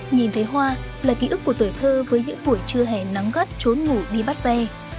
nhìn thấy hoa là ký ức của tuổi thơ với những buổi trưa hè nắng gắt trốn ngủ đi bắt ve